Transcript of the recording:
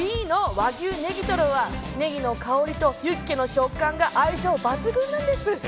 Ｂの和牛ネギトロはネギの香りとユッケの食感が相性抜群なんです。